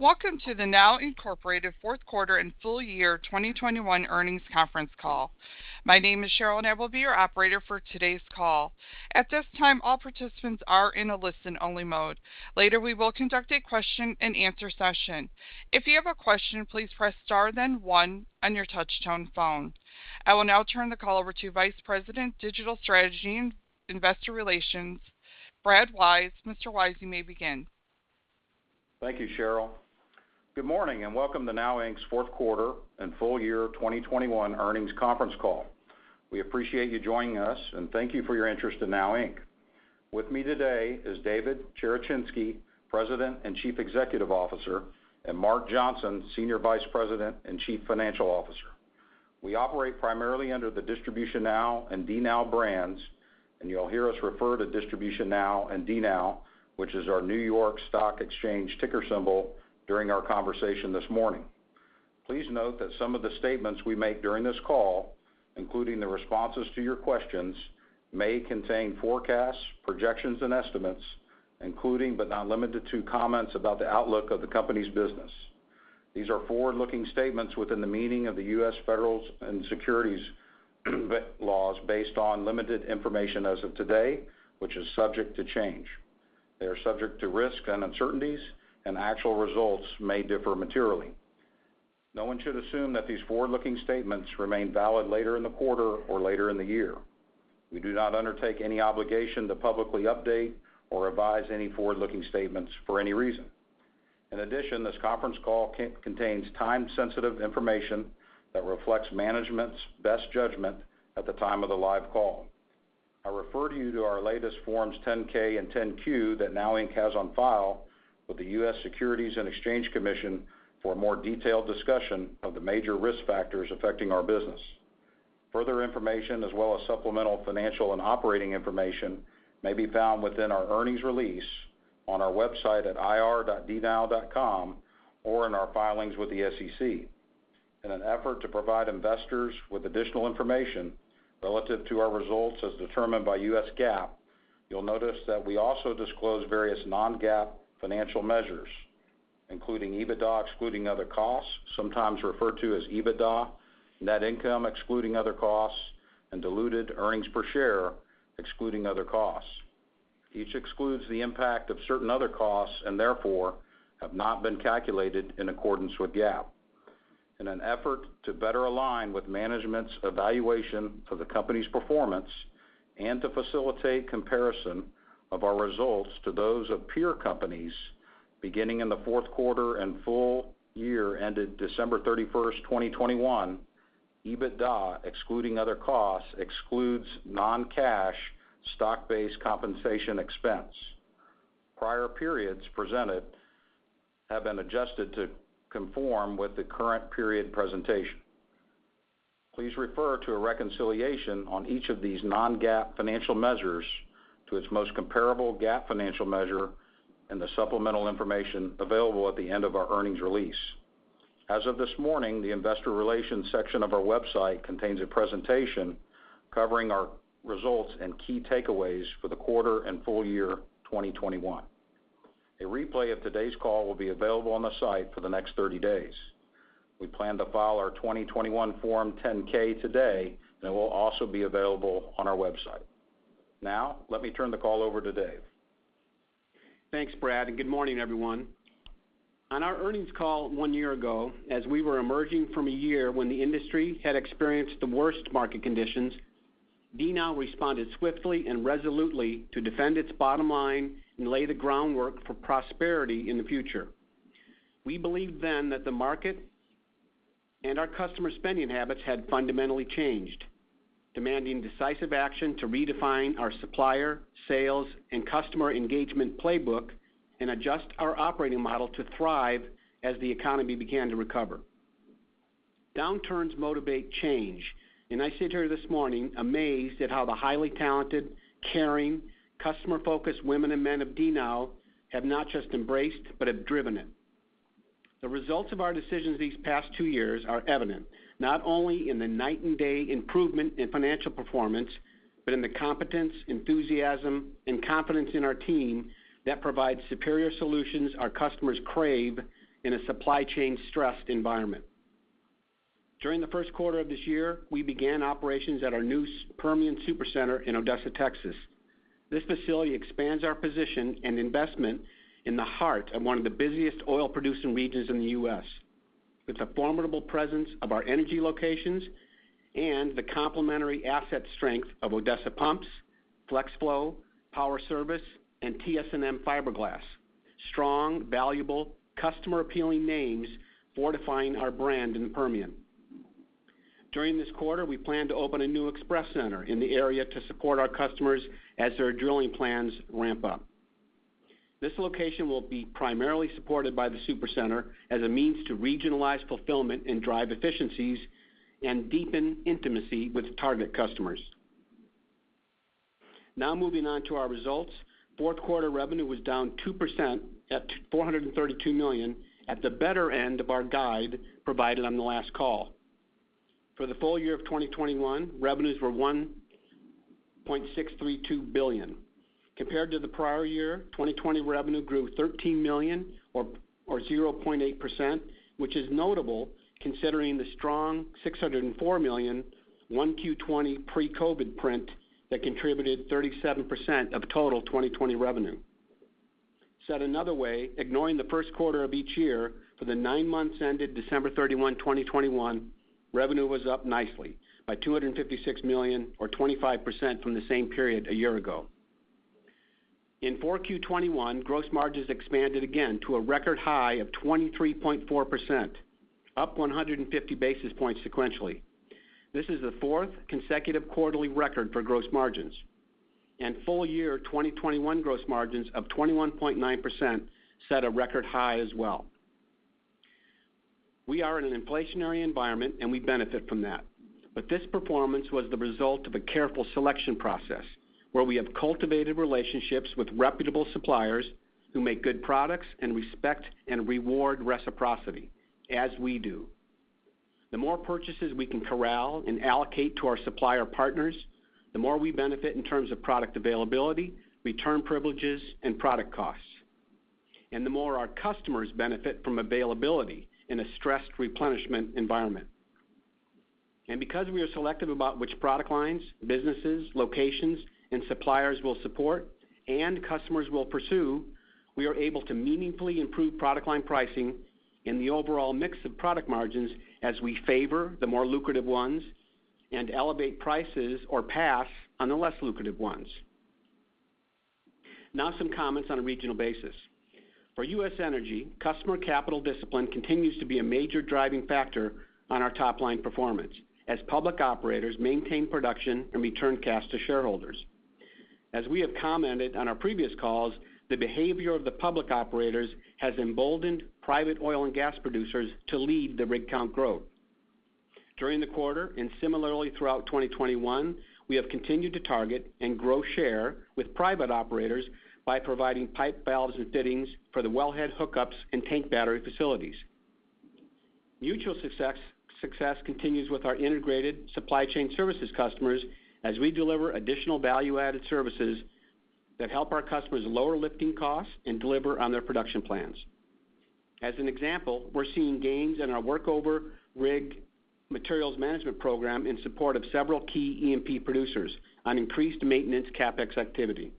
Welcome to the NOW Inc. fourth quarter and full year 2021 earnings conference call. My name is Cheryl, and I will be your operator for today's call. At this time, all participants are in a listen-only mode. Later, we will conduct a question-and-answer session. If you have a question, please press * then one on your touchtone phone. I will now turn the call over to Vice President, Digital Strategy and Investor Relations, Brad Wise. Mr. Wise, you may begin. Thank you, Cheryl. Good morning, and welcome to NOW Inc.'s fourth quarter and full year 2021 earnings conference call. We appreciate you joining us, and thank you for your interest in NOW Inc. With me today is David Cherechinsky, President and Chief Executive Officer, and Mark Johnson, Senior Vice President and Chief Financial Officer. We operate primarily under the DistributionNOW and DNOW brands, and you'll hear us refer to DistributionNOW and DNOW, which is our New York Stock Exchange ticker symbol, during our conversation this morning. Please note that some of the statements we make during this call, including the responses to your questions, may contain forecasts, projections, and estimates, including but not limited to comments about the outlook of the company's business. These are forward-looking statements within the meaning of the U.S., federal securities laws based on limited information as of today, which is subject to change. They are subject to risks and uncertainties, and actual results may differ materially. No one should assume that these forward-looking statements remain valid later in the quarter or later in the year. We do not undertake any obligation to publicly update or revise any forward-looking statements for any reason. In addition, this conference call contains time-sensitive information that reflects management's best judgment at the time of the live call. I refer you to our latest Forms 10-K and 10-Q that NOW Inc. has on file with the U.S. Securities and Exchange Commission for a more detailed discussion of the major risk factors affecting our business. Further information, as well as supplemental financial and operating information, may be found within our earnings release on our website at ir.dnow.com or in our filings with the SEC. In an effort to provide investors with additional information relative to our results as determined by U.S. GAAP, you'll notice that we also disclose various non-GAAP financial measures, including EBITDA excluding other costs, sometimes referred to as EBITDA, net income excluding other costs, and diluted earnings per share excluding other costs. Each excludes the impact of certain other costs, and therefore, have not been calculated in accordance with GAAP. In an effort to better align with management's evaluation of the company's performance and to facilitate comparison of our results to those of peer companies, beginning in the fourth quarter and full year ended December 31, 2021, EBITDA excluding other costs excludes non-cash stock-based compensation expense. Prior periods presented have been adjusted to conform with the current period presentation. Please refer to a reconciliation on each of these non-GAAP financial measures to its most comparable GAAP financial measure in the supplemental information available at the end of our earnings release. As of this morning, the investor relations section of our website contains a presentation covering our results and key takeaways for the quarter and full year 2021. A replay of today's call will be available on the site for the next 30 days. We plan to file our 2021 Form 10-K today that will also be available on our website. Now, let me turn the call over to Dave. Thanks, Brad, and good morning, everyone. On our earnings call one year ago, as we were emerging from a year when the industry had experienced the worst market conditions, DNOW responded swiftly and resolutely to defend its bottom line and lay the groundwork for prosperity in the future. We believed then that the market and our customer spending habits had fundamentally changed, demanding decisive action to redefine our supplier, sales, and customer engagement playbook and adjust our operating model to thrive as the economy began to recover. Downturns motivate change, and I sit here this morning amazed at how the highly talented, caring, customer-focused women and men of DNOW have not just embraced but have driven it. The results of our decisions these past two years are evident, not only in the night and day improvement in financial performance, but in the competence, enthusiasm, and confidence in our team that provides superior solutions our customers crave in a supply chain stressed environment. During the first quarter of this year, we began operations at our new Permian super center in Odessa, Texas. This facility expands our position and investment in the heart of one of the busiest oil-producing regions in the U.S. With the formidable presence of our energy locations and the complementary asset strength of Odessa Pumps, FlexFlow, Power Service, and TS&M Supply Fiberglass, strong, valuable, customer-appealing names fortifying our brand in Permian. During this quarter, we plan to open a new express center in the area to support our customers as their drilling plans ramp up. This location will be primarily supported by the super center as a means to regionalize fulfillment and drive efficiencies and deepen intimacy with target customers. Now moving on to our results. Fourth quarter revenue was down 2% at $432 million at the better end of our guide provided on the last call. For the full year of 2021, revenues were $1.632 billion. Compared to the prior year, 2020 revenue grew $13 million or 0.8%, which is notable considering the strong $604 million 1Q 2020 pre-COVID print that contributed 37% of total 2020 revenue. Said another way, ignoring the first quarter of each year, for the nine months ended December 31, 2021, revenue was up nicely by $256 million or 25% from the same period a year ago. In 4Q 2021, gross margins expanded again to a record high of 23.4%, up 150 basis points sequentially. This is the fourth consecutive quarterly record for gross margins. Full year 2021 gross margins of 21.9% set a record high as well. We are in an inflationary environment and we benefit from that. This performance was the result of a careful selection process where we have cultivated relationships with reputable suppliers who make good products and respect and reward reciprocity as we do. The more purchases we can corral and allocate to our supplier partners, the more we benefit in terms of product availability, return privileges and product costs. The more our customers benefit from availability in a stressed replenishment environment. Because we are selective about which product lines, businesses, locations and suppliers we'll support and customers we'll pursue, we are able to meaningfully improve product line pricing in the overall mix of product margins as we favor the more lucrative ones and elevate prices or pass on the less lucrative ones. Now some comments on a regional basis. For U.S., energy, customer capital discipline continues to be a major driving factor on our top line performance as public operators maintain production and return cash to shareholders. As we have commented on our previous calls, the behavior of the public operators has emboldened private oil and gas producers to lead the rig count growth. During the quarter, and similarly throughout 2021, we have continued to target and grow share with private operators by providing pipe, valves and fittings for the wellhead hookups and tank battery facilities. Mutual success continues with our integrated supply chain services customers as we deliver additional value-added services that help our customers lower lifting costs and deliver on their production plans. As an example, we're seeing gains in our workover rig materials management program in support of several key E&P producers on increased maintenance CapEx activity.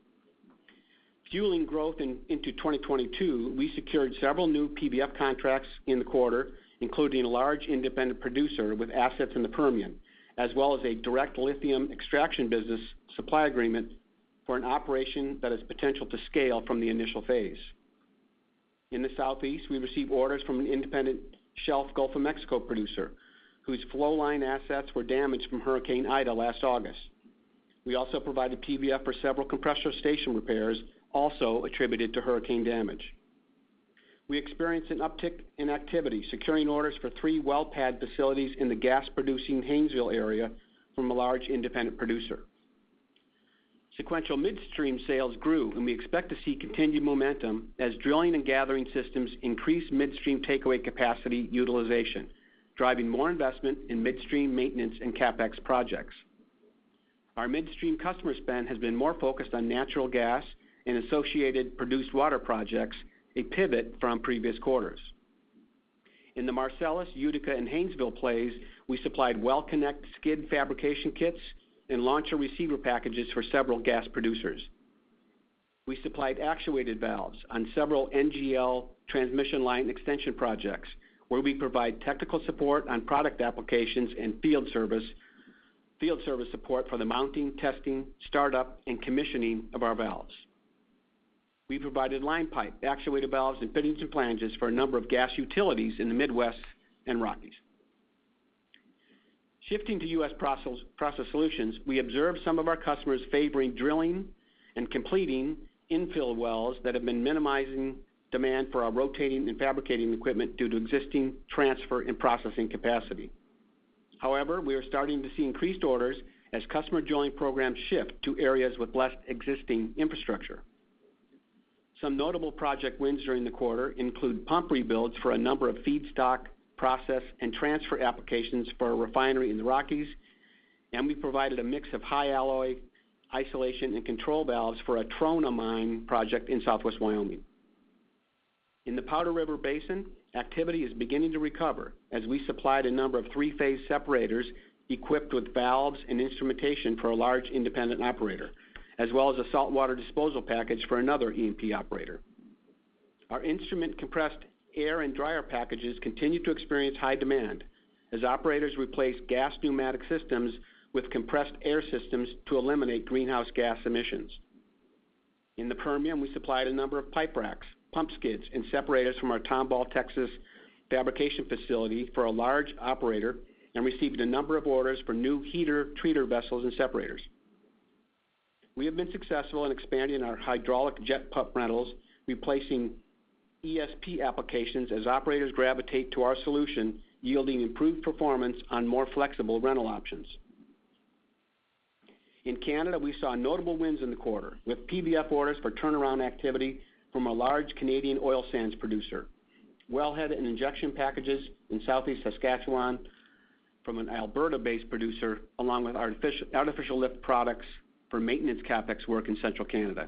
Fueling growth into 2022, we secured several new PBF contracts in the quarter, including a large independent producer with assets in the Permian, as well as a direct lithium extraction business supply agreement for an operation that has potential to scale from the initial phase. In the Southeast, we received orders from an independent shelf Gulf of Mexico producer, whose flow line assets were damaged from Hurricane Ida last August. We also provided PBF for several compressor station repairs, also attributed to hurricane damage. We experienced an uptick in activity, securing orders for three well pad facilities in the gas-producing Haynesville area from a large independent producer. Sequential midstream sales grew, and we expect to see continued momentum as drilling and gathering systems increase midstream takeaway capacity utilization, driving more investment in midstream maintenance and CapEx projects. Our midstream customer spend has been more focused on natural gas and associated produced water projects, a pivot from previous quarters. In the Marcellus, Utica and Haynesville plays, we supplied well connect skid fabrication kits and launcher receiver packages for several gas producers. We supplied actuated valves on several NGL transmission line extension projects where we provide technical support on product applications and field service support for the mounting, testing, startup, and commissioning of our valves. We provided line pipe, actuator valves, and fittings and flanges for a number of gas utilities in the Midwest and Rockies. Shifting to U.S., process solutions, we observed some of our customers favoring drilling and completing infill wells that have been minimizing demand for our rotating and fabricating equipment due to existing transfer and processing capacity. However, we are starting to see increased orders as customer drilling programs shift to areas with less existing infrastructure. Some notable project wins during the quarter include pump rebuilds for a number of feedstock, process and transfer applications for a refinery in the Rockies, and we provided a mix of high alloy isolation and control valves for a Trona Mine project in southwest Wyoming. In the Powder River Basin, activity is beginning to recover as we supplied a number of three-phase separators equipped with valves and instrumentation for a large independent operator, as well as a saltwater disposal package for another E&P operator. Our instrument compressed air and dryer packages continue to experience high demand as operators replace gas pneumatic systems with compressed air systems to eliminate greenhouse gas emissions. In the Permian, we supplied a number of pipe racks, pump skids, and separators from our Tomball, Texas fabrication facility for a large operator and received a number of orders for new heater treater vessels and separators. We have been successful in expanding our hydraulic jet pump rentals, replacing ESP applications as operators gravitate to our solution, yielding improved performance on more flexible rental options. In Canada, we saw notable wins in the quarter with PBF orders for turnaround activity from a large Canadian oil sands producer, wellhead and injection packages in Southeast Saskatchewan from an Alberta-based producer, along with artificial lift products for maintenance CapEx work in Central Canada.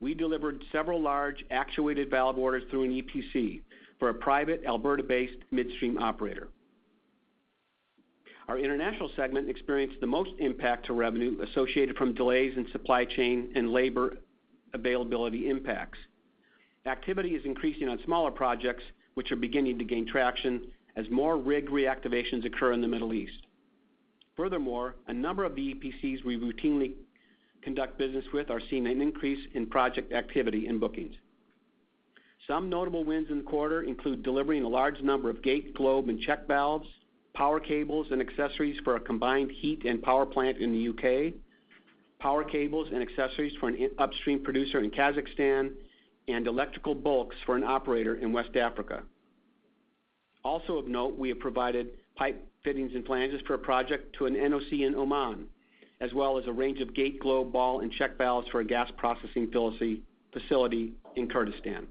We delivered several large actuated valve orders through an EPC for a private Alberta-based midstream operator. Our international segment experienced the most impact to revenue associated from delays in supply chain and labor availability impacts. Activity is increasing on smaller projects, which are beginning to gain traction as more rig reactivations occur in the Middle East. Furthermore, a number of the EPCs we routinely conduct business with are seeing an increase in project activity in bookings. Some notable wins in the quarter include delivering a large number of gate, globe, and check valves, power cables and accessories for a combined heat and power plant in the U.K., power cables and accessories for an upstream producer in Kazakhstan, and electrical bulks for an operator in West Africa. Also of note, we have provided pipe fittings and flanges for a project to an NOC in Oman, as well as a range of gate, globe, ball, and check valves for a gas processing facility in Kurdistan.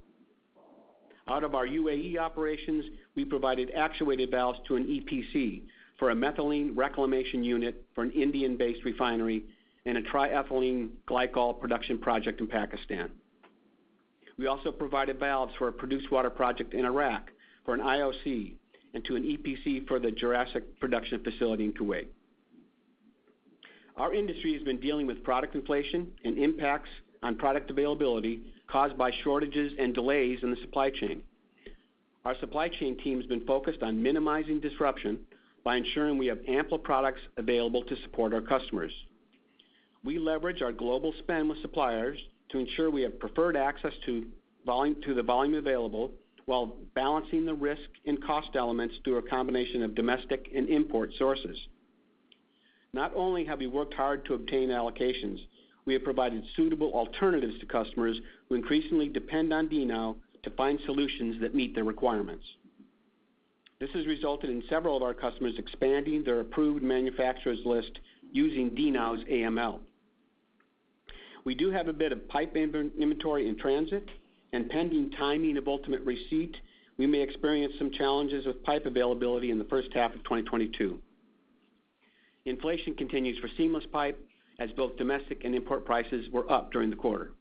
Out of our UAE operations, we provided actuated valves to an EPC for a methanol reclamation unit for an Indian-based refinery and a triethylene glycol production project in Pakistan. We also provided valves for a produced water project in Iraq for an IOC and to an EPC for the Jurassic production facility in Kuwait. Our industry has been dealing with product inflation and impacts on product availability caused by shortages and delays in the supply chain. Our supply chain team has been focused on minimizing disruption by ensuring we have ample products available to support our customers. We leverage our global spend with suppliers to ensure we have preferred access to the volume available while balancing the risk and cost elements through a combination of domestic and import sources. Not only have we worked hard to obtain allocations, we have provided suitable alternatives to customers who increasingly depend on DNOW to find solutions that meet their requirements. This has resulted in several of our customers expanding their approved manufacturers list using DNOW's AML. We do have a bit of pipe inventory in transit, and pending timing of ultimate receipt, we may experience some challenges with pipe availability in the first half of 2022. Inflation continues for seamless pipe as both domestic and import prices were up during the quarter.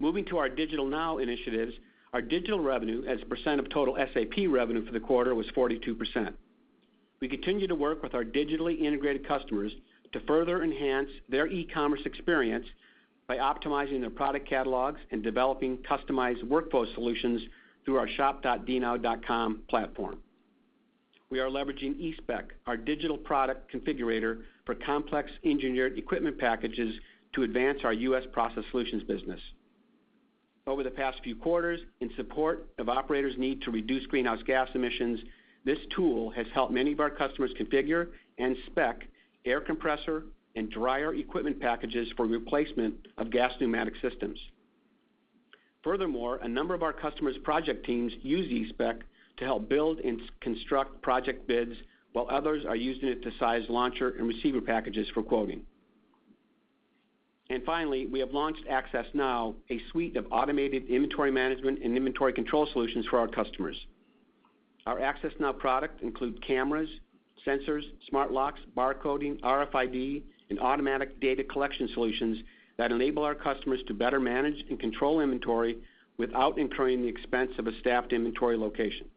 Moving to our DigitalNOW initiatives, our digital revenue as a percent of total SAP revenue for the quarter was 42%. We continue to work with our digitally integrated customers to further enhance their e-commerce experience by optimizing their product catalogs and developing customized workflow solutions through our shop.dnow.com platform. We are leveraging eSpec, our digital product configurator for complex engineered equipment packages to advance our U.S. Process Solutions business. Over the past few quarters, in support of operators' need to reduce greenhouse gas emissions, this tool has helped many of our customers configure and spec air compressor and dryer equipment packages for replacement of gas pneumatic systems. Furthermore, a number of our customers' project teams use eSpec to help build and construct project bids while others are using it to size launcher and receiver packages for quoting. Finally, we have launched AccessNOW, a suite of automated inventory management and inventory control solutions for our customers. Our AccessNOW product include cameras, sensors, smart locks, bar coding, RFID, and automatic data collection solutions that enable our customers to better manage and control inventory without incurring the expense of a staffed inventory location.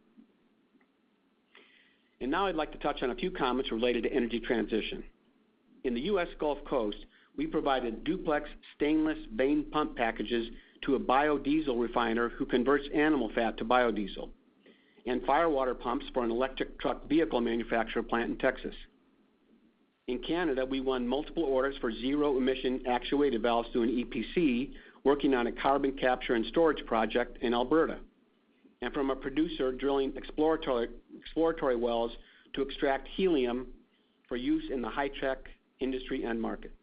Now I'd like to touch on a few comments related to energy transition. In the U.S., Gulf Coast, we provided duplex stainless vane pump packages to a biodiesel refiner who converts animal fat to biodiesel, and fire water pumps for an electric truck vehicle manufacturer plant in Texas. In Canada, we won multiple orders for zero emission actuated valves through an EPC working on a carbon capture and storage project in Alberta, and from a producer drilling exploratory wells to extract helium for use in the high-tech industry end market.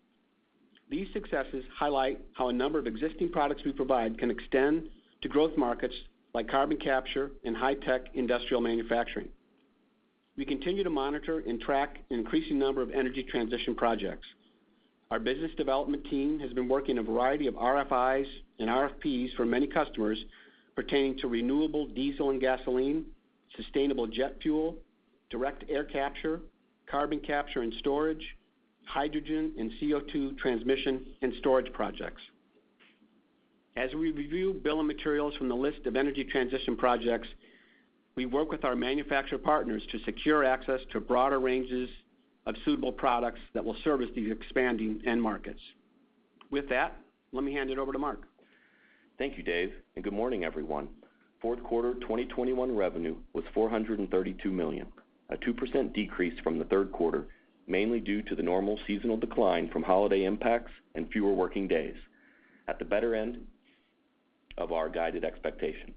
These successes highlight how a number of existing products we provide can extend to growth markets like carbon capture and high-tech industrial manufacturing. We continue to monitor and track an increasing number of energy transition projects. Our business development team has been working a variety of RFIs and RFPs for many customers pertaining to renewable diesel and gasoline, sustainable jet fuel, direct air capture, carbon capture and storage, hydrogen and CO2 transmission and storage projects. As we review bill of materials from the list of energy transition projects, we work with our manufacturer partners to secure access to broader ranges of suitable products that will service these expanding end markets. With that, let me hand it over to Mark. Thank you, Dave, and good morning, everyone. Fourth quarter 2021 revenue was $432 million, a 2% decrease from the third quarter, mainly due to the normal seasonal decline from holiday impacts and fewer working days at the better end of our guided expectation.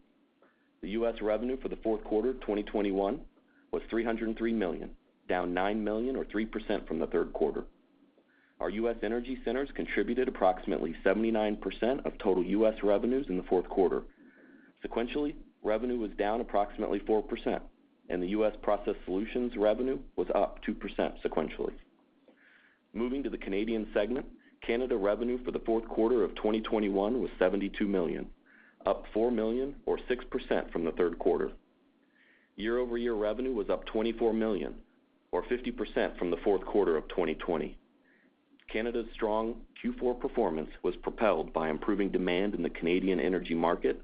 The U.S., revenue for the fourth quarter 2021 was $303 million, down $9 million or 3% from the third quarter. Our U.S. Energy Centers contributed approximately 79% of total U.S., revenues in the fourth quarter. Sequentially, revenue was down approximately 4%, and the U.S. Process Solutions revenue was up 2% sequentially. Moving to the Canadian segment, Canada revenue for the fourth quarter of 2021 was $72 million, up $4 million or 6% from the third quarter. Year-over-year revenue was up $24 million or 50% from the fourth quarter of 2020. Canada's strong Q4 performance was propelled by improving demand in the Canadian energy market,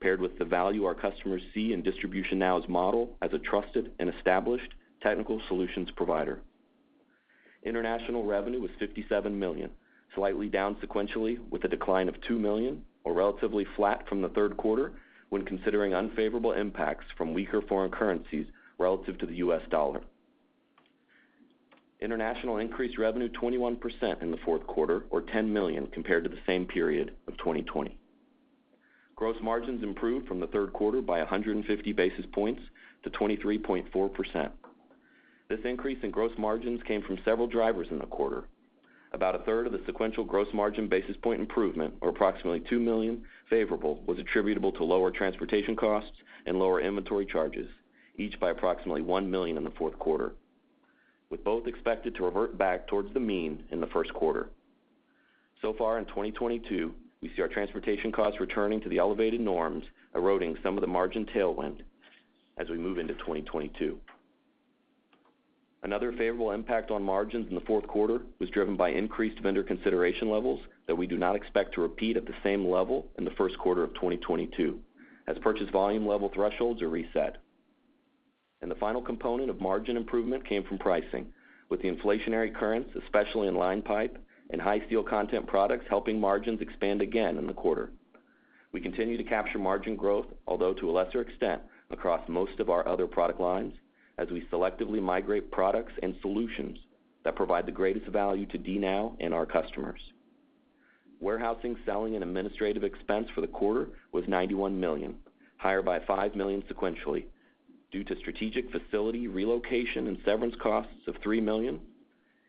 paired with the value our customers see in DistributionNOW's model as a trusted and established technical solutions provider. International revenue was $57 million, slightly down sequentially with a decline of $2 million or relatively flat from the third quarter when considering unfavorable impacts from weaker foreign currencies relative to the U.S., dollar. International revenue increased 21% in the fourth quarter or $10 million compared to the same period of 2020. Gross margins improved from the third quarter by 150 basis points to 23.4%. This increase in gross margins came from several drivers in the quarter. About a third of the sequential gross margin basis point improvement, or approximately $2 million favorable, was attributable to lower transportation costs and lower inventory charges, each by approximately $1 million in the fourth quarter, with both expected to revert back towards the mean in the first quarter. So far in 2022, we see our transportation costs returning to the elevated norms, eroding some of the margin tailwind as we move into 2022. Another favorable impact on margins in the fourth quarter was driven by increased vendor consideration levels that we do not expect to repeat at the same level in the first quarter of 2022 as purchase volume level thresholds are reset. The final component of margin improvement came from pricing, with the inflationary currents, especially in line pipe and high steel content products, helping margins expand again in the quarter. We continue to capture margin growth, although to a lesser extent, across most of our other product lines as we selectively migrate products and solutions that provide the greatest value to DNOW and our customers. Warehousing, selling, and administrative expense for the quarter was $91 million, higher by $5 million sequentially due to strategic facility relocation and severance costs of $3 million,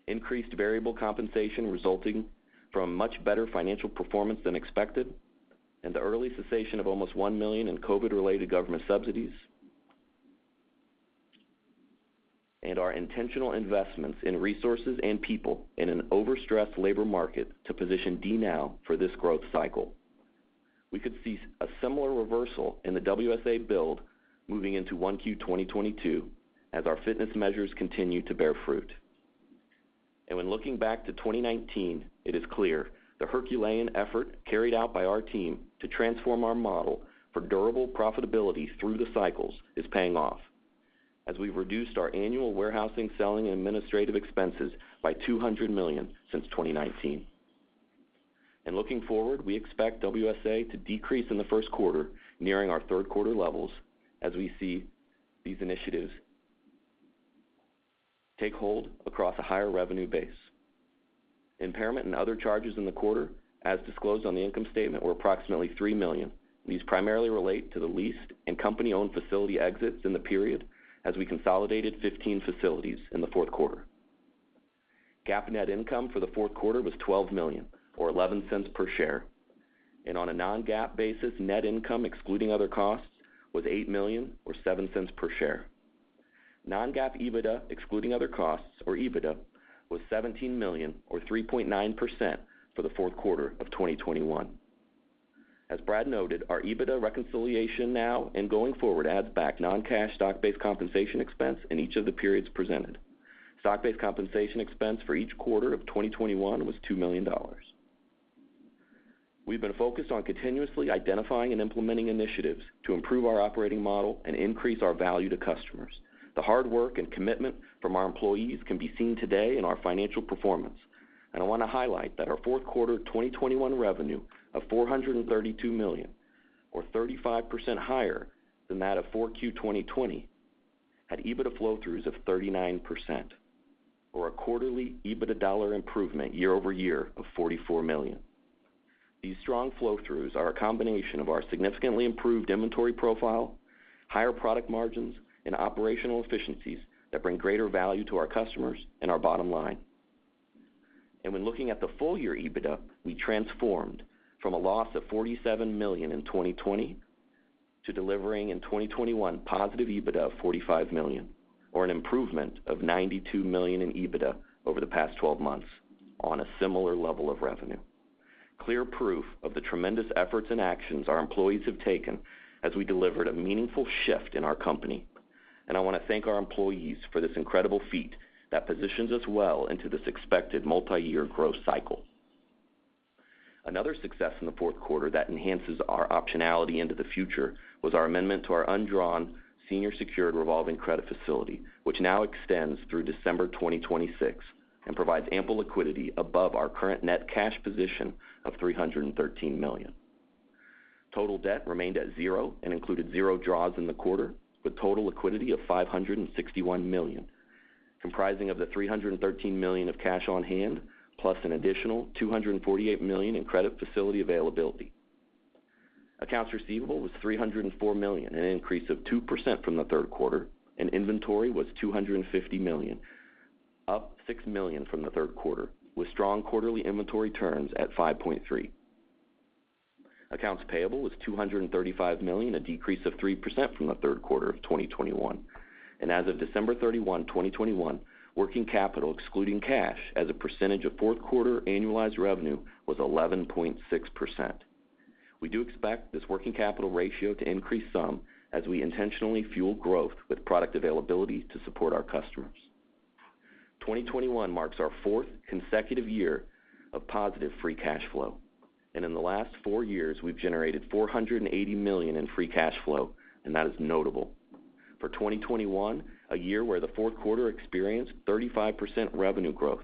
increased variable compensation resulting from much better financial performance than expected, and the early cessation of almost $1 million in COVID-related government subsidies, and our intentional investments in resources and people in an overstressed labor market to position DNOW for this growth cycle. We could see a similar reversal in the WSA build moving into 1Q 2022 as our fitness measures continue to bear fruit. When looking back to 2019, it is clear the Herculean effort carried out by our team to transform our model for durable profitability through the cycles is paying off as we've reduced our annual warehousing, selling, and administrative expenses by $200 million since 2019. Looking forward, we expect WSA to decrease in the first quarter, nearing our third quarter levels as we see these initiatives take hold across a higher revenue base. Impairment and other charges in the quarter, as disclosed on the income statement, were approximately $3 million. These primarily relate to the leased and company-owned facility exits in the period as we consolidated 15 facilities in the fourth quarter. GAAP net income for the fourth quarter was $12 million or $0.11 per share. On a non-GAAP basis, net income excluding other costs was $8 million or $0.07 per share. Non-GAAP EBITDA excluding other costs, or EBITDA, was $17 million or 3.9% for the fourth quarter of 2021. As Brad noted, our EBITDA reconciliation now and going forward adds back non-cash stock-based compensation expense in each of the periods presented. Stock-based compensation expense for each quarter of 2021 was $2 million. We've been focused on continuously identifying and implementing initiatives to improve our operating model and increase our value to customers. The hard work and commitment from our employees can be seen today in our financial performance. I wanna highlight that our fourth quarter 2021 revenue of $432 million or 35% higher than that of Q4 2020 had EBITDA flow-throughs of 39% or a quarterly EBITDA dollar improvement year-over-year of $44 million. These strong flow-throughs are a combination of our significantly improved inventory profile, higher product margins, and operational efficiencies that bring greater value to our customers and our bottom line. When looking at the full-year EBITDA, we transformed from a loss of $47 million in 2020 to delivering in 2021 positive EBITDA of $45 million or an improvement of $92 million in EBITDA over the past 12 months on a similar level of revenue. Clear proof of the tremendous efforts and actions our employees have taken as we delivered a meaningful shift in our company. I wanna thank our employees for this incredible feat that positions us well into this expected multiyear growth cycle. Another success in the fourth quarter that enhances our optionality into the future was our amendment to our undrawn senior secured revolving credit facility, which now extends through December 2026 and provides ample liquidity above our current net cash position of $313 million. Total debt remained at zero and included zero draws in the quarter, with total liquidity of $561 million, comprising of the $313 million of cash on hand, plus an additional $248 million in credit facility availability. Accounts receivable was $304 million, an increase of 2% from the third quarter, and inventory was $250 million, up $6 million from the third quarter, with strong quarterly inventory turns at 5.3. Accounts payable was $235 million, a decrease of 3% from the third quarter of 2021. As of December 31, 2021, working capital excluding cash as a percentage of fourth quarter annualized revenue was 11.6%. We do expect this working capital ratio to increase some as we intentionally fuel growth with product availability to support our customers. 2021 marks our fourth consecutive year of positive free cash flow. In the last four years, we've generated $480 million in free cash flow, and that is notable. For 2021, a year where the fourth quarter experienced 35% revenue growth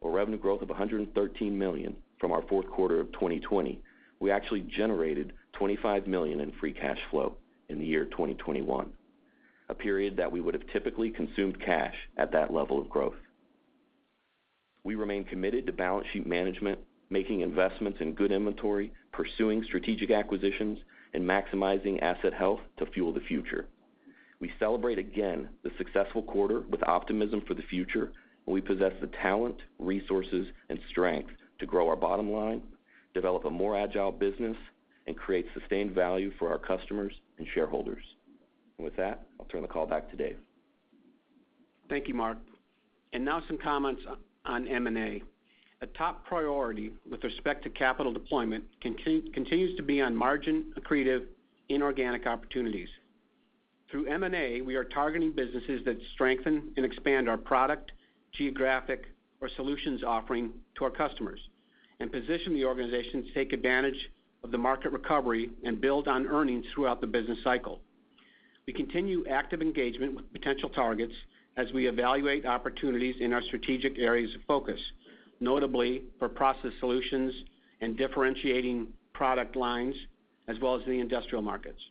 or revenue growth of $113 million from our fourth quarter of 2020, we actually generated $25 million in free cash flow in the year 2021, a period that we would have typically consumed cash at that level of growth. We remain committed to balance sheet management, making investments in good inventory, pursuing strategic acquisitions, and maximizing asset health to fuel the future. We celebrate again the successful quarter with optimism for the future, and we possess the talent, resources, and strength to grow our bottom line, develop a more agile business, and create sustained value for our customers and shareholders. With that, I'll turn the call back to Dave. Thank you, Mark. Now some comments on M&A. A top priority with respect to capital deployment continues to be on margin-accretive inorganic opportunities. Through M&A, we are targeting businesses that strengthen and expand our product, geographic or solutions offering to our customers and position the organization to take advantage of the market recovery and build on earnings throughout the business cycle. We continue active engagement with potential targets as we evaluate opportunities in our strategic areas of focus, notably for process solutions and differentiating product lines as well as the industrial markets.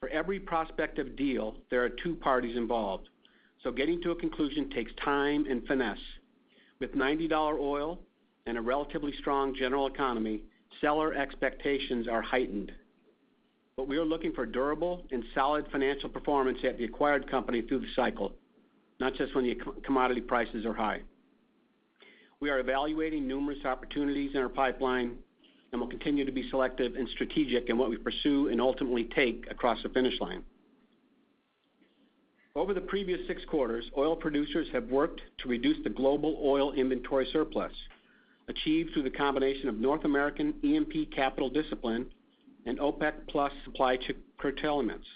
For every prospective deal, there are two parties involved, so getting to a conclusion takes time and finesse. With $90 oil and a relatively strong general economy, seller expectations are heightened. We are looking for durable and solid financial performance at the acquired company through the cycle, not just when the commodity prices are high. We are evaluating numerous opportunities in our pipeline and will continue to be selective and strategic in what we pursue and ultimately take across the finish line. Over the previous six quarters, oil producers have worked to reduce the global oil inventory surplus, achieved through the combination of North American E&P capital discipline and OPEC Plus supply curtailments.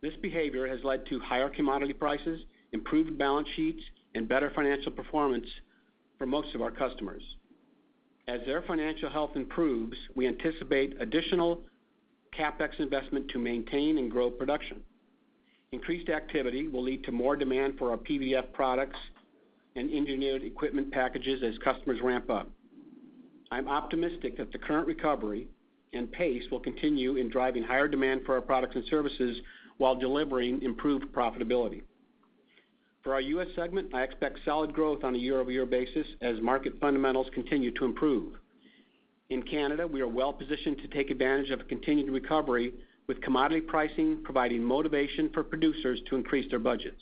This behavior has led to higher commodity prices, improved balance sheets, and better financial performance for most of our customers. As their financial health improves, we anticipate additional CapEx investment to maintain and grow production. Increased activity will lead to more demand for our PVF products and engineered equipment packages as customers ramp up. I'm optimistic that the current recovery and pace will continue in driving higher demand for our products and services while delivering improved profitability. For our U.S., segment, I expect solid growth on a year-over-year basis as market fundamentals continue to improve. In Canada, we are well-positioned to take advantage of a continued recovery with commodity pricing providing motivation for producers to increase their budgets.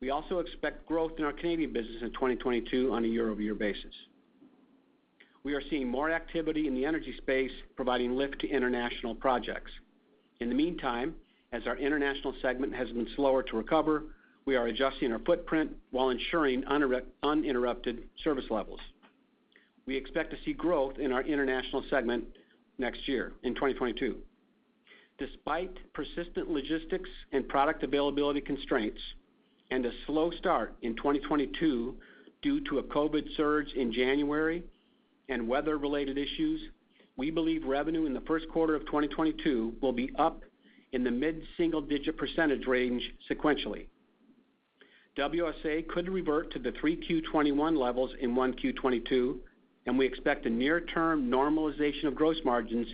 We also expect growth in our Canadian business in 2022 on a year-over-year basis. We are seeing more activity in the energy space, providing lift to international projects. In the meantime, as our international segment has been slower to recover, we are adjusting our footprint while ensuring uninterrupted service levels. We expect to see growth in our international segment next year in 2022. Despite persistent logistics and product availability constraints and a slow start in 2022 due to a COVID surge in January and weather-related issues, we believe revenue in the first quarter of 2022 will be up in the mid-single-digit % range sequentially. WSA could revert to the 3Q 2021 levels in 1Q 2022, and we expect a near-term normalization of gross margins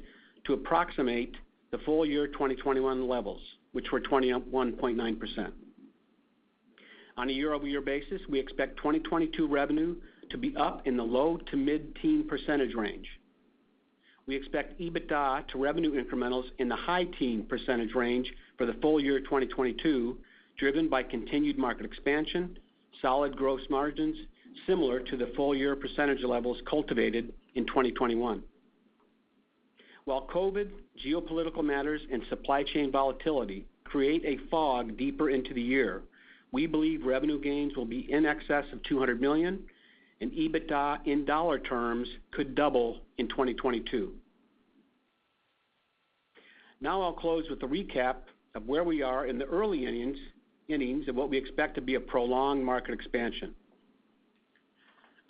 to approximate the full-year 2021 levels, which were 21.9%. On a year-over-year basis, we expect 2022 revenue to be up in the low- to mid-teens % range. We expect EBITDA-to-revenue incrementals in the high-teens % range for the full year 2022, driven by continued market expansion, solid gross margins, similar to the full-year 2021 levels cultivated in 2021. While COVID, geopolitical matters, and supply chain volatility create a fog deeper into the year, we believe revenue gains will be in excess of $200 million, and EBITDA in dollar terms could double in 2022. Now I'll close with a recap of where we are in the early innings of what we expect to be a prolonged market expansion.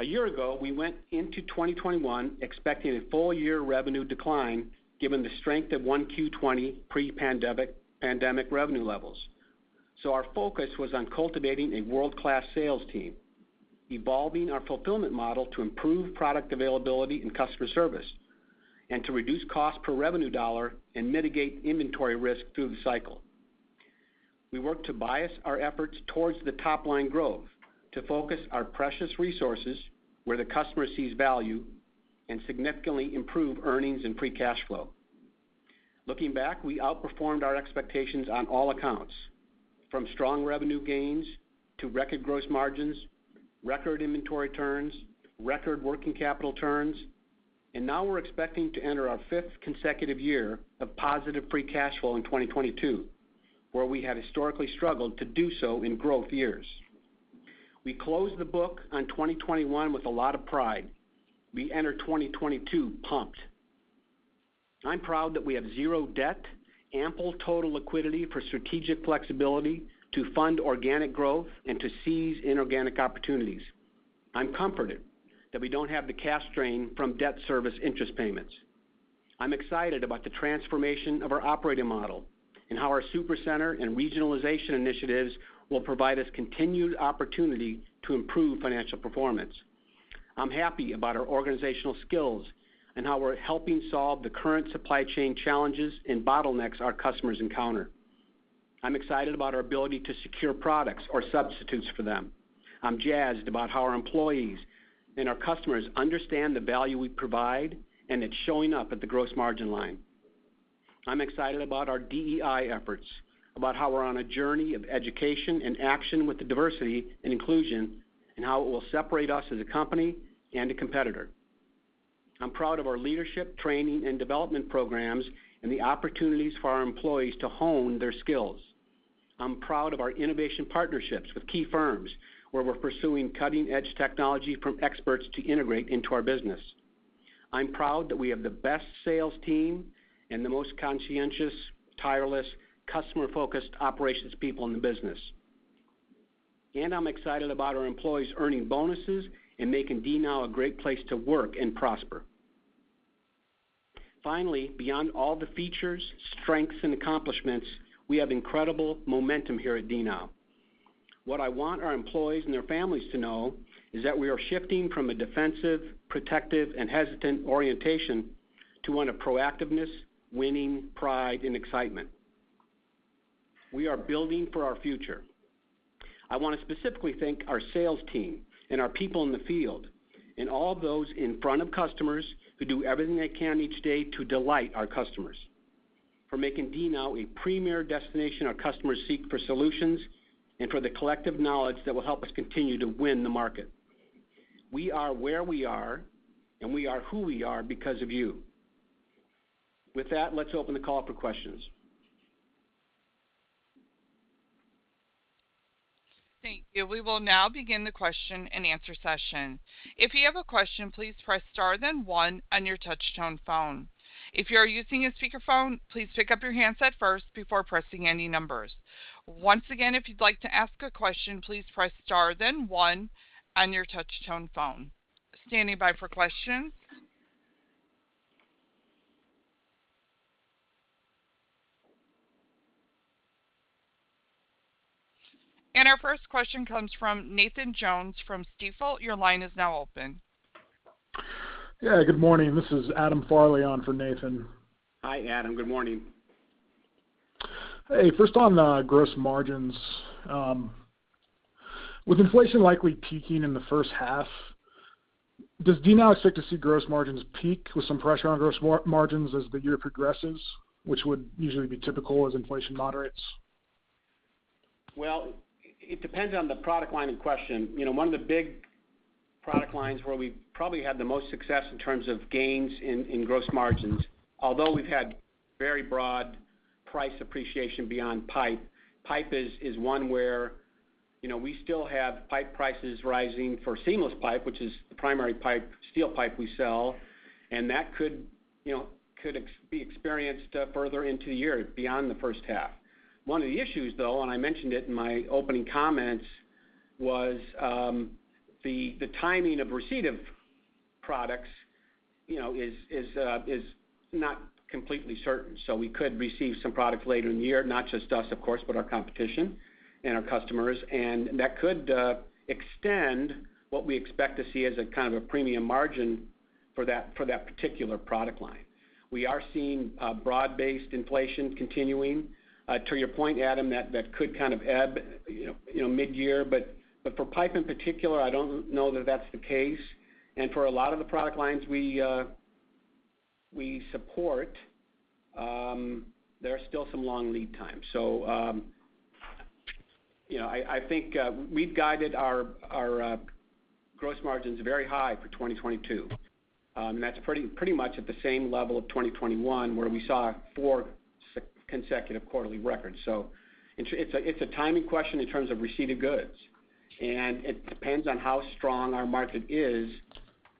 A year ago, we went into 2021 expecting a full year revenue decline given the strength of 1Q 2020 pre-pandemic revenue levels. Our focus was on cultivating a world-class sales team, evolving our fulfillment model to improve product availability and customer service, and to reduce cost per revenue dollar and mitigate inventory risk through the cycle. We worked to bias our efforts towards the top-line growth to focus our precious resources where the customer sees value and significantly improve earnings and free cash flow. Looking back, we outperformed our expectations on all accounts, from strong revenue gains to record gross margins, record inventory turns, record working capital turns, and now we're expecting to enter our fifth consecutive year of positive free cash flow in 2022, where we have historically struggled to do so in growth years. We closed the book on 2021 with a lot of pride. We enter 2022 pumped. I'm proud that we have zero debt, ample total liquidity for strategic flexibility to fund organic growth and to seize inorganic opportunities. I'm comforted that we don't have the cash strain from debt service interest payments. I'm excited about the transformation of our operating model and how our super center and regionalization initiatives will provide us continued opportunity to improve financial performance. I'm happy about our organizational skills and how we're helping solve the current supply chain challenges and bottlenecks our customers encounter. I'm excited about our ability to secure products or substitutes for them. I'm jazzed about how our employees and our customers understand the value we provide, and it's showing up at the gross margin line. I'm excited about our DEI efforts, about how we're on a journey of education and action with the diversity and inclusion, and how it will separate us as a company and a competitor. I'm proud of our leadership training and development programs and the opportunities for our employees to hone their skills. I'm proud of our innovation partnerships with key firms, where we're pursuing cutting-edge technology from experts to integrate into our business. I'm proud that we have the best sales team and the most conscientious, tireless, customer-focused operations people in the business. I'm excited about our employees earning bonuses and making DNOW a great place to work and prosper. Finally, beyond all the features, strengths, and accomplishments, we have incredible momentum here at DNOW. What I want our employees and their families to know is that we are shifting from a defensive, protective, and hesitant orientation to one of proactiveness, winning, pride, and excitement. We are building for our future. I want to specifically thank our sales team and our people in the field, and all those in front of customers who do everything they can each day to delight our customers, for making DNOW a premier destination our customers seek for solutions, and for the collective knowledge that will help us continue to win the market. We are where we are, and we are who we are because of you. With that, let's open the call up for questions. Thank you. We will now begin the question-and-answer session. If you have a question, please press star then one on your touch-tone phone. If you are using a speakerphone, please pick up your handset first before pressing any numbers. Once again, if you'd like to ask a question, please press star then one on your touch-tone phone. Standing by for questions. Our first question comes from Nathan Jones from Stifel. Your line is now open. Yeah. Good morning. This is Adam Farley on for Nathan. Hi, Adam. Good morning. Hey, first on, gross margins. With inflation likely peaking in the first half, does DNOW expect to see gross margins peak with some pressure on gross margins as the year progresses, which would usually be typical as inflation moderates? Well, it depends on the product line in question. You know, one of the big product lines where we probably had the most success in terms of gains in gross margins, although we've had very broad price appreciation beyond pipe. Pipe is one where, you know, we still have pipe prices rising for seamless pipe, which is the primary pipe, steel pipe we sell, and that could, you know, be experienced further into the year beyond the first half. One of the issues, though, and I mentioned it in my opening comments, was the timing of receipt of products, you know, is not completely certain. We could receive some products later in the year, not just us, of course, but our competition and our customers. That could extend what we expect to see as a kind of a premium margin for that particular product line. We are seeing broad-based inflation continuing. To your point, Adam, that could kind of ebb, you know, midyear. But for pipe in particular, I don't know that that's the case. For a lot of the product lines we support, there are still some long lead times. You know, I think we've guided our gross margins very high for 2022. That's pretty much at the same level of 2021, where we saw four consecutive quarterly records. So it's a timing question in terms of receipt of goods. It depends on how strong our market is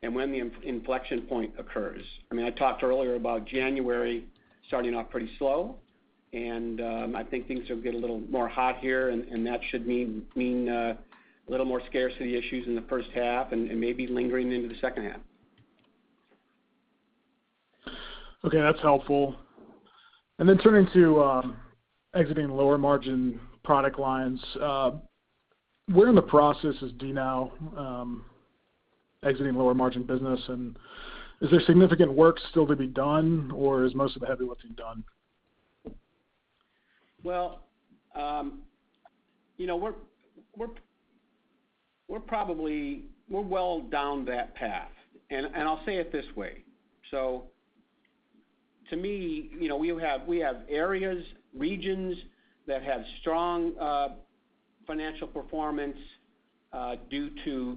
and when the inflection point occurs. I mean, I talked earlier about January starting off pretty slow, and I think things will get a little more hot here, and that should mean a little more scarcity issues in the first half and maybe lingering into the second half. Okay, that's helpful. Turning to exiting lower margin product lines. Where in the process is DNOW exiting lower margin business? Is there significant work still to be done, or is most of the heavy lifting done? Well, you know, we're well down that path, and I'll say it this way. To me, you know, we have areas, regions that have strong financial performance due to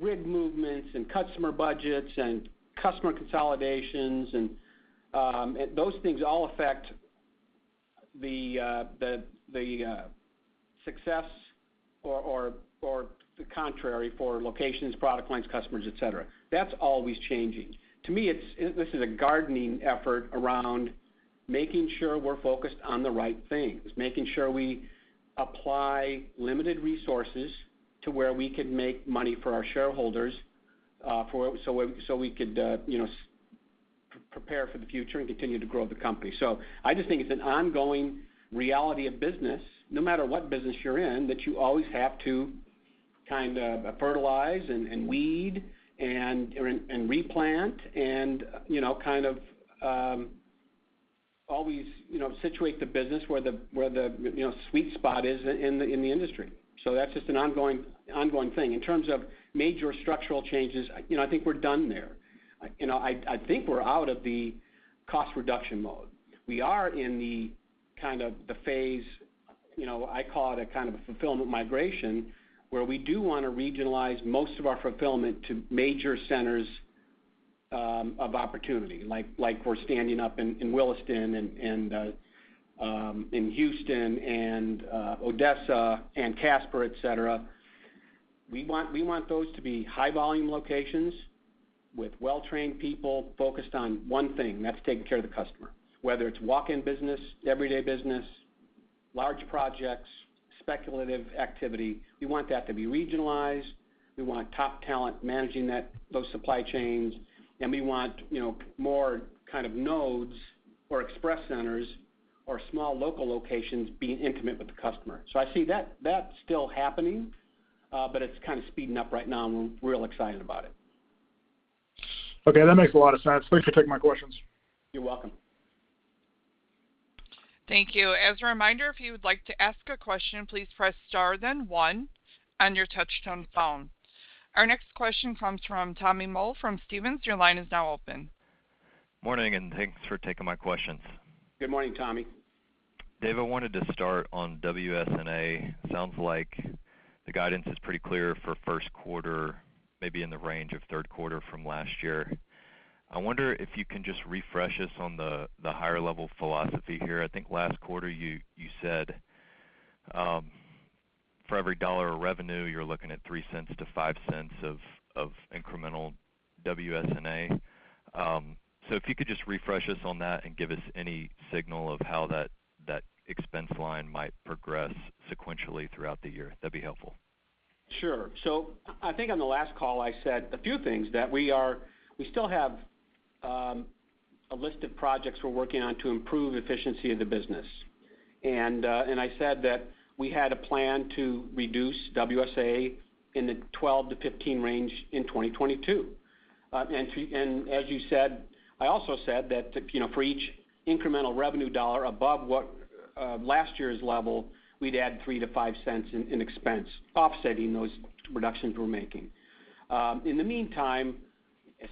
rig movements and customer budgets and customer consolidations, and those things all affect the success or the contrary for locations, product lines, customers, et cetera. That's always changing. To me, this is a gardening effort around making sure we're focused on the right things, making sure we apply limited resources to where we can make money for our shareholders, so we could prepare for the future and continue to grow the company. I just think it's an ongoing reality of business, no matter what business you're in, that you always have to kind of fertilize and weed and replant and, you know, kind of always, you know, situate the business where the, you know, sweet spot is in the industry. That's just an ongoing thing. In terms of major structural changes, you know, I think we're done there. You know, I think we're out of the cost reduction mode. We are in the kind of phase, you know, I call it a kind of fulfillment migration, where we do wanna regionalize most of our fulfillment to major centers of opportunity, like we're standing up in Williston and in Houston and Odessa and Casper, et cetera. We want those to be high volume locations with well-trained people focused on one thing, that's taking care of the customer, whether it's walk-in business, everyday business, large projects, speculative activity. We want that to be regionalized. We want top talent managing that, those supply chains, and we want, you know, more kind of nodes or express centers or small local locations being intimate with the customer. I see that's still happening, but it's kind of speeding up right now, and I'm real excited about it. Okay. That makes a lot of sense. Thanks for taking my questions. You're welcome. Thank you. As a reminder, if you would like to ask a question, please press * then one on your touchtone phone. Our next question comes from Tommy Moll from Stephens. Your line is now open. Morning, and thanks for taking my questions. Good morning, Tommy. Dave, I wanted to start on WS&A. Sounds like the guidance is pretty clear for first quarter, maybe in the range of third quarter from last year. I wonder if you can just refresh us on the higher level philosophy here. I think last quarter you said, for every dollar of revenue, you're looking at $0.03-$0.05 of incremental WS&A. If you could just refresh us on that and give us any signal of how that expense line might progress sequentially throughout the year, that'd be helpful. Sure. I think on the last call I said a few things that we still have a list of projects we're working on to improve efficiency of the business. I said that we had a plan to reduce WSA in the 12-15 range in 2022. As you said, I also said that, you know, for each incremental revenue dollar above what last year's level, we'd add $0.03-$0.05 in expense offsetting those reductions we're making. In the meantime,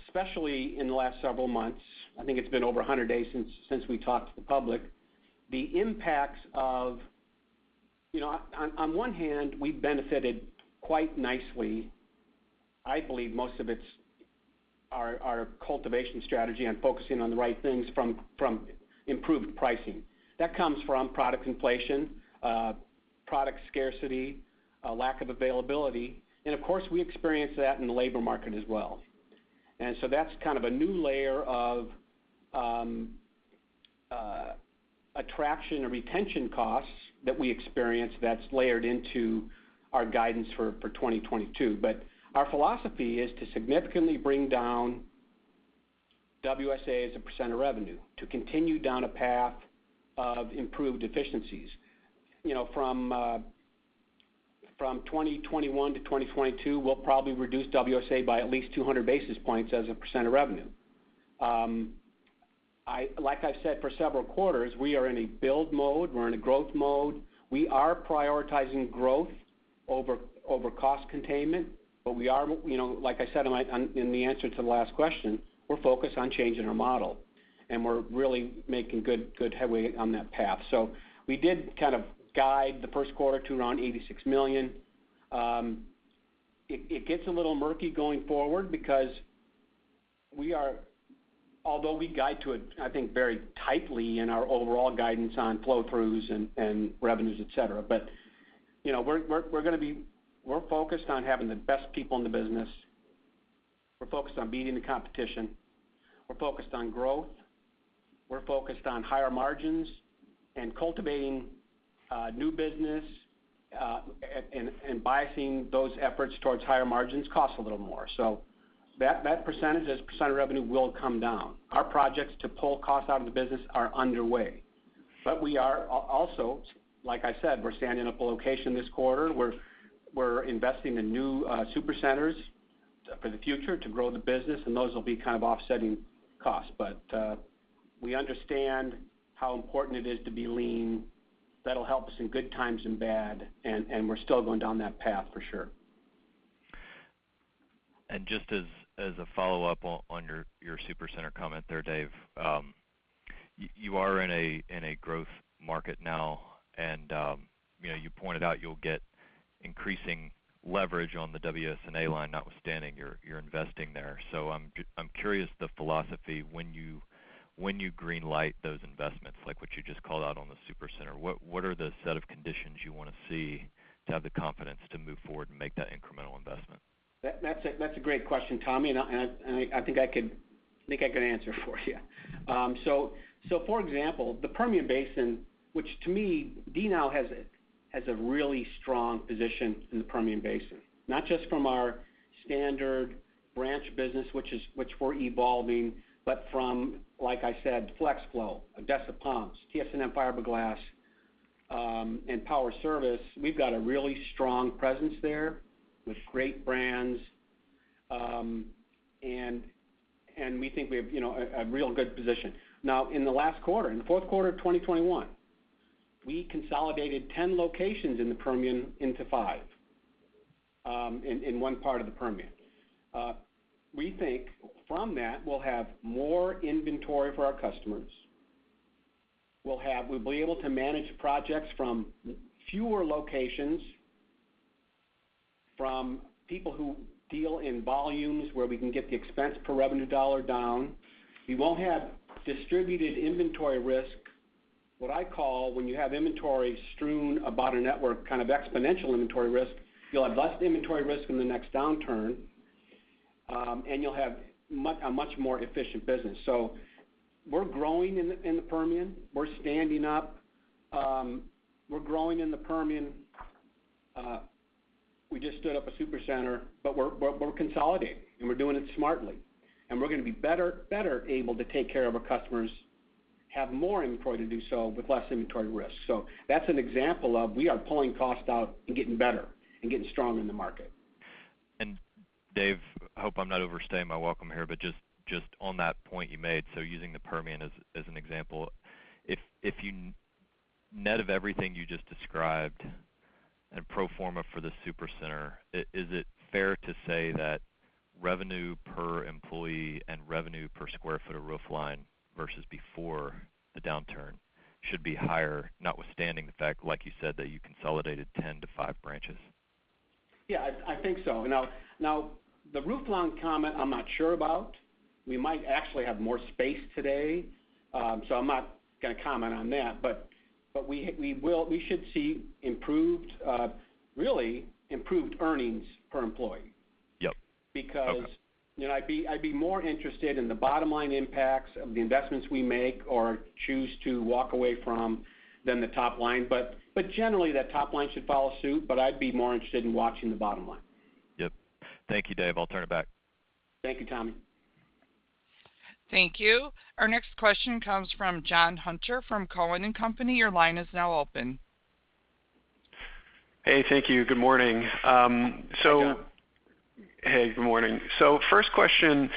especially in the last several months, I think it's been over 100 days since we talked to the public, the impacts of you know, on one hand, we benefited quite nicely. I believe most of it's our cultivation strategy and focusing on the right things from improved pricing. That comes from product inflation, product scarcity, lack of availability, and of course, we experience that in the labor market as well. That's kind of a new layer of attraction and retention costs that we experience that's layered into our guidance for 2022. Our philosophy is to significantly bring down WSA as a percent of revenue, to continue down a path of improved efficiencies. From 2021 to 2022, we'll probably reduce WSA by at least 200 basis points as a percent of revenue. Like I've said for several quarters, we are in a build mode. We're in a growth mode. We are prioritizing growth over cost containment. We are, you know, like I said in the answer to the last question, we're focused on changing our model, and we're really making good headway on that path. We did kind of guide the first quarter to around $86 million. It gets a little murky going forward because although we guide to it, I think, very tightly in our overall guidance on flow-throughs and revenues, et cetera. You know, we're gonna be focused on having the best people in the business. We're focused on beating the competition. We're focused on growth. We're focused on higher margins and cultivating new business and biasing those efforts towards higher margins costs a little more. That percentage as a % of revenue will come down. Our projects to pull costs out of the business are underway. We are also, like I said, we're standing up a location this quarter. We're investing in new super centers for the future to grow the business, and those will be kind of offsetting costs. We understand how important it is to be lean. That'll help us in good times and bad, and we're still going down that path for sure. Just as a follow-up on your super center comment there, Dave. You are in a growth market now, and you know, you pointed out you'll get increasing leverage on the WS&A line notwithstanding you're investing there. I'm curious the philosophy when you green light those investments, like what you just called out on the super center. What are the set of conditions you wanna see to have the confidence to move forward and make that incremental investment? That's a great question, Tommy, and I think I could answer for you. So for example, the Permian Basin, which to me, DNOW has a really strong position in the Permian Basin. Not just from our standard branch business, which we're evolving, but from, like I said, FlexFlow, Odessa Pumps, TS&M Supply Fiberglass, and Power Service. We've got a really strong presence there with great brands. And we think we have, you know, a real good position. Now, in the last quarter, in the fourth quarter of 2021, we consolidated 10 locations in the Permian into 5, in one part of the Permian. We think from that we'll have more inventory for our customers. We'll be able to manage projects from fewer locations, from people who deal in volumes where we can get the expense per revenue dollar down. We won't have distributed inventory risk, what I call when you have inventory strewn about a network, kind of exponential inventory risk. You'll have less inventory risk in the next downturn, and you'll have a much more efficient business. We're growing in the Permian. We're standing up. We're growing in the Permian. We just stood up a super center, but we're consolidating, and we're doing it smartly. We're gonna be better able to take care of our customers, have more inventory to do so with less inventory risk. That's an example of we are pulling cost out and getting better and getting stronger in the market. Dave, I hope I'm not overstaying my welcome here, but just on that point you made, so using the Permian as an example. If you net of everything you just described and pro forma for the super center, is it fair to say that revenue per employee and revenue per square foot of roof line versus before the downturn should be higher, notwithstanding the fact, like you said, that you consolidated 10-5 branches? Yeah. I think so. Now the roof line comment, I'm not sure about. We might actually have more space today, so I'm not gonna comment on that. We should see improved, really improved earnings per employee. Yep. Okay. Because, you know, I'd be more interested in the bottom line impacts of the investments we make or choose to walk away from than the top line. But generally that top line should follow suit, but I'd be more interested in watching the bottom line. Yep. Thank you, Dave. I'll turn it back. Thank you, Tommy. Thank you. Our next question comes from Jonathan Hunter from Cowen and Company. Your line is now open. Hey, thank you. Good morning. Hi, Jonathan. Hey, good morning. First question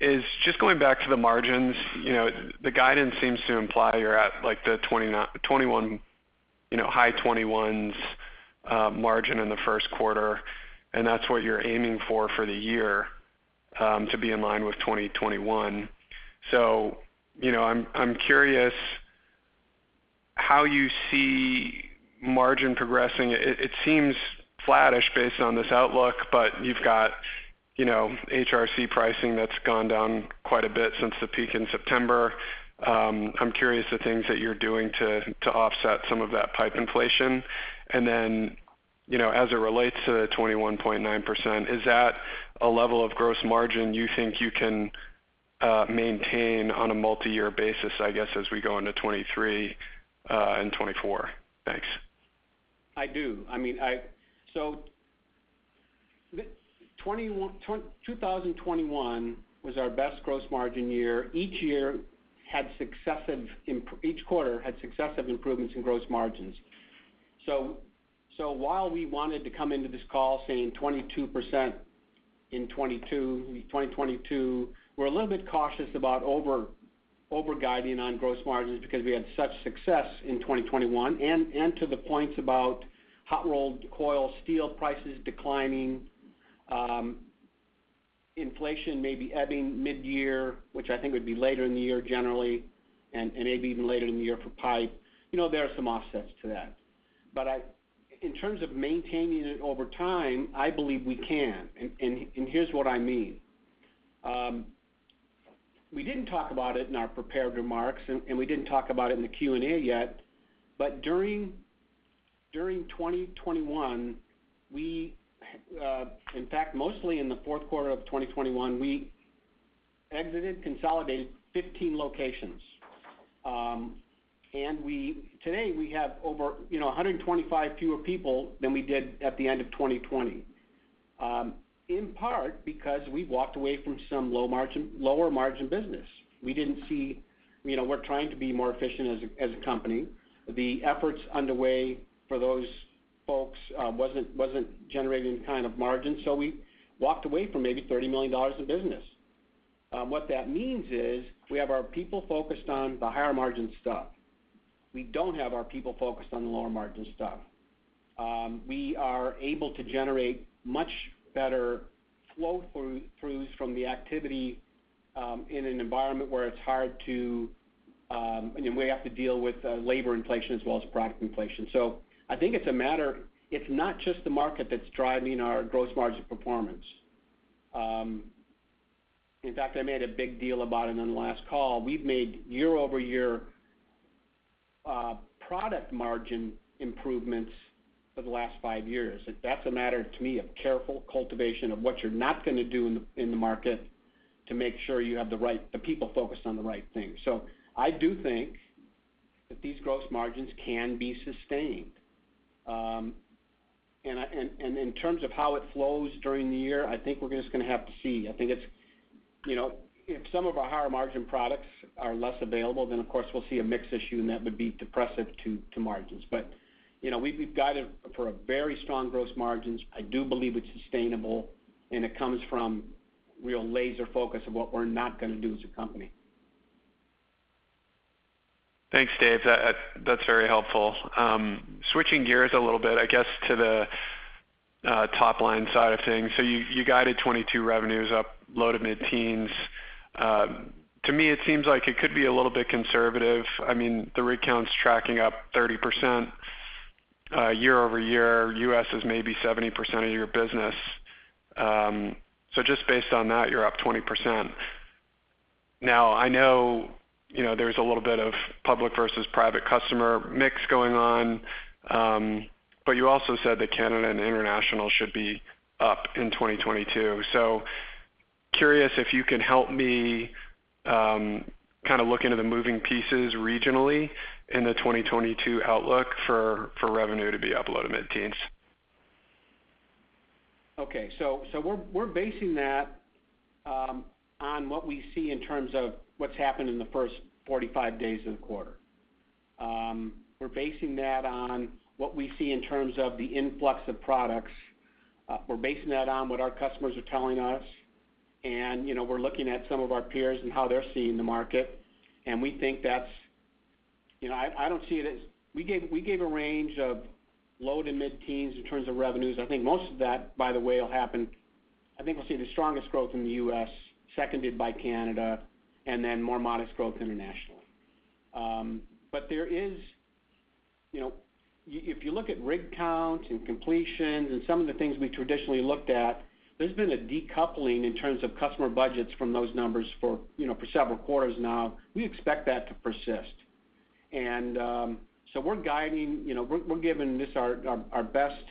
is just going back to the margins. You know, the guidance seems to imply you're at like the 21, you know, high 20s margin in the first quarter, and that's what you're aiming for for the year to be in line with 2021. You know, I'm curious how you see margin progressing. It seems flattish based on this outlook, but you've got, you know, HRC pricing that's gone down quite a bit since the peak in September. I'm curious the things that you're doing to offset some of that pipe inflation. And then, you know, as it relates to the 21.9%, is that a level of gross margin you think you can maintain on a multi-year basis, I guess, as we go into 2023 and 2024? Thanks. I do. I mean, 2021 was our best gross margin year. Each quarter had successive improvements in gross margins. While we wanted to come into this call saying 22% in 2022, we're a little bit cautious about over-guiding on gross margins because we had such success in 2021. To the points about hot-rolled coil steel prices declining, inflation maybe ebbing mid-year, which I think would be later in the year generally, and maybe even later in the year for pipe. You know, there are some offsets to that. In terms of maintaining it over time, I believe we can, and here's what I mean. We didn't talk about it in our prepared remarks, and we didn't talk about it in the Q&A yet, but during 2021, in fact, mostly in the fourth quarter of 2021, we exited, consolidated 15 locations. Today we have over, you know, 125 fewer people than we did at the end of 2020. In part, because we walked away from some lower margin business. We didn't see. You know, we're trying to be more efficient as a company. The efforts underway for those folks wasn't generating the kind of margin, so we walked away from maybe $30 million of business. What that means is we have our people focused on the higher margin stuff. We don't have our people focused on the lower margin stuff. We are able to generate much better flow throughs from the activity, in an environment where it's hard to, you know, we have to deal with labor inflation as well as product inflation. I think it's a matter. It's not just the market that's driving our gross margin performance. In fact, I made a big deal about it on the last call. We've made year-over-year product margin improvements for the last five years. That's a matter to me of careful cultivation of what you're not gonna do in the market to make sure you have the right the people focused on the right things. I do think that these gross margins can be sustained. In terms of how it flows during the year, I think we're just gonna have to see. I think it's, you know, if some of our higher margin products are less available, then of course we'll see a mix issue, and that would be depressive to margins. You know, we've guided for a very strong gross margins. I do believe it's sustainable, and it comes from real laser focus of what we're not gonna do as a company. Thanks, Dave. That's very helpful. Switching gears a little bit, I guess, to the top-line side of things. You guided 2022 revenues up low to mid-teens. To me, it seems like it could be a little bit conservative. I mean, the rig count's tracking up 30%, year-over-year. U.S., is maybe 70% of your business. Just based on that, you're up 20%. Now, I know, you know, there's a little bit of public versus private customer mix going on, but you also said that Canada and international should be up in 2022. Curious if you can help me kind of look into the moving pieces regionally in the 2022 outlook for revenue to be up low to mid-teens. Okay, we're basing that on what we see in terms of what's happened in the first 45 days of the quarter. We're basing that on what we see in terms of the influx of products. We're basing that on what our customers are telling us. You know, we're looking at some of our peers and how they're seeing the market, and we think that's. You know, I don't see it as. We gave a range of low to mid-teens in terms of revenues. I think most of that, by the way, will happen. I think we'll see the strongest growth in the U.S., seconded by Canada, and then more modest growth internationally. But there is, you know. If you look at rig counts and completions and some of the things we traditionally looked at, there's been a decoupling in terms of customer budgets from those numbers for, you know, for several quarters now. We expect that to persist. We're guiding, you know, we're giving this our best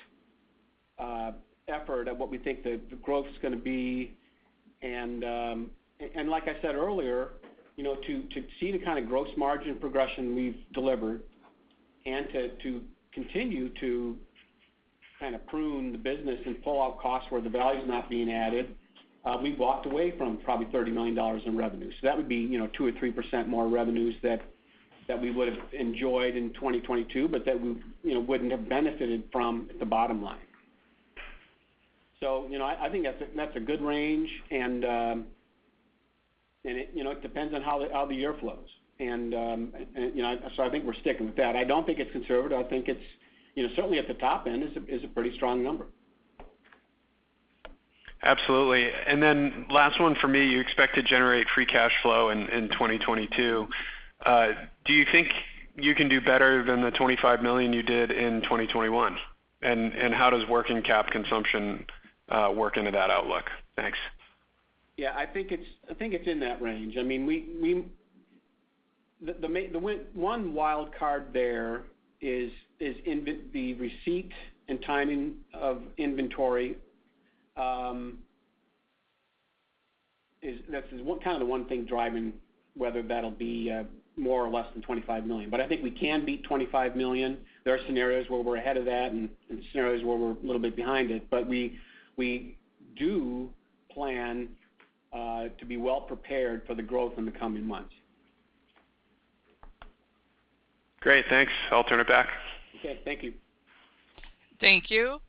effort at what we think the growth is gonna be. Like I said earlier, you know, to see the kind of gross margin progression we've delivered and to continue to kind of prune the business and pull out costs where the value is not being added, we walked away from probably $30 million in revenue. That would be, you know, 2%-3% more revenues that we would have enjoyed in 2022, but that we, you know, wouldn't have benefited from at the bottom line. You know, I think that's a good range and it, you know, it depends on how the year flows. You know, I think we're sticking with that. I don't think it's conservative. I think it's, you know, certainly at the top end is a pretty strong number. Absolutely. Last one for me. You expect to generate free cash flow in 2022. Do you think you can do better than the $25 million you did in 2021? And how does working cap consumption work into that outlook? Thanks. Yeah. I think it's in that range. I mean, the one wild card there is the receipt and timing of inventory. That's kind of the one thing driving whether that'll be more or less than $25 million. I think we can beat $25 million. There are scenarios where we're ahead of that and scenarios where we're a little bit behind it. We do plan to be well prepared for the growth in the coming months. Great. Thanks. I'll turn it back. Okay. Thank you. Thank you.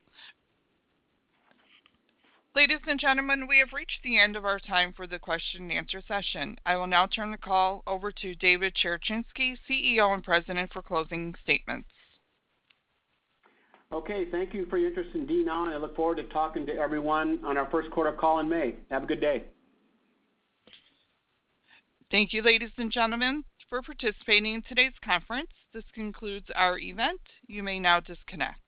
Ladies and gentlemen, we have reached the end of our time for the question and answer session. I will now turn the call over to David Cherechinsky, CEO and President, for closing statements. Okay. Thank you for your interest in DNOW, and I look forward to talking to everyone on our first quarter call in May. Have a good day. Thank you ladies and gentlemen for participating in today's conference. This concludes our event. You may now disconnect.